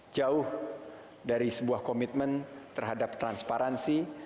jauh dari sebuah komitmen terhadap transparansi